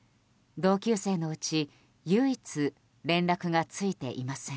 同級生のうち、唯一連絡がついていません。